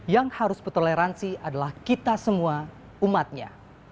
yang harus bertoleransi adalah kita semua umatnya